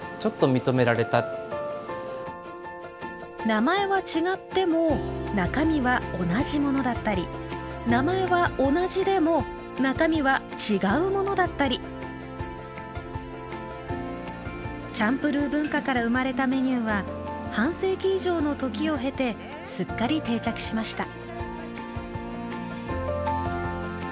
名前は違っても中身は同じものだったり名前は同じでも中身は違うものだったりチャンプルー文化から生まれたメニューは半世紀以上の時を経てすっかり定着しました。